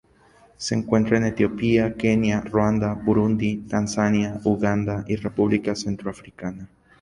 Se encuentra en Etiopía, Kenia, Ruanda, Burundi, Tanzania, Uganda y República Centroafricana.